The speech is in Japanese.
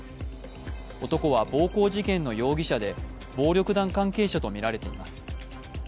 男は暴行事件の容疑者で暴力団関係者とみられています。